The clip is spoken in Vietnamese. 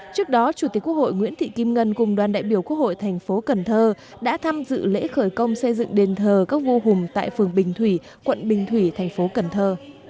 trước đó chủ tịch quốc hội nguyễn thị kim ngân cùng đoàn đại biểu quốc hội thành phố cần thơ đã tham dự lễ khởi công xây dựng đền thờ các vô hùng tại phường bình thủy quận bình thủy thành phố cần thơ